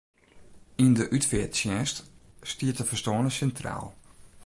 Yn de útfearttsjinst stiet de ferstoarne sintraal.